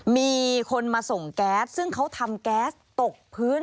มีคนมาส่งแก๊สซึ่งเขาทำแก๊สตกพื้น